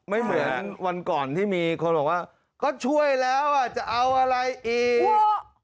ไม่เหมือนวันก่อนที่มีคนบอกว่าก็ช่วยแล้วจะเอาอะไรอีก